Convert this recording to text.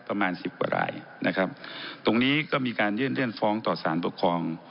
ประมาณสิบกว่ารายนะครับตรงนี้ก็มีการยื่นเลื่อนฟ้องต่อสารปกครอง